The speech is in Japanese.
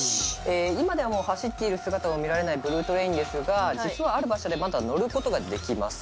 今ではもう走っている姿を見られないブルートレインですが実はある場所でまだ乗ることができます